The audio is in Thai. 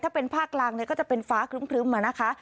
ถ้าเป็นภาคกลางก็จะเป็นฟ้าครึ้มนะคะ